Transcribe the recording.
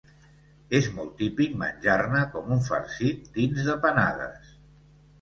És molt típic menjar-ne com un farcit dins de panades.